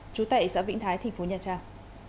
chú tệ xã vĩnh thái tp nha trang